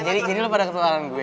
jadi jadi lu pada ketularan gue